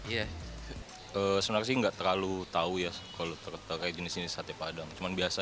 ya sebenarnya enggak terlalu tahu ya kalau terkena jenis jenis sate padang cuman biasa